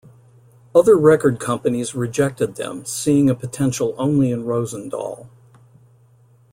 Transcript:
Other record companies rejected them seeing a potential only in Rosendahl.